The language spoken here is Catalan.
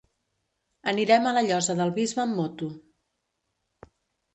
Anirem a la Llosa del Bisbe amb moto.